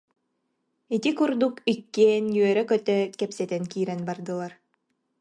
Ити курдук иккиэн үөрэ-көтө кэпсэтэн киирэн бардылар